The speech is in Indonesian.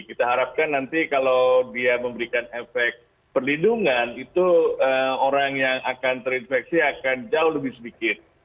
kita harapkan nanti kalau dia memberikan efek perlindungan itu orang yang akan terinfeksi akan jauh lebih sedikit